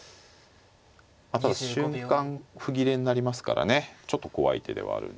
ただ瞬間歩切れになりますからねちょっと怖い手ではあるんですけども。